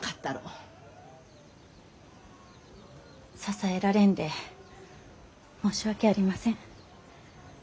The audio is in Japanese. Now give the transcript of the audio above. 支えられんで申し訳ありません。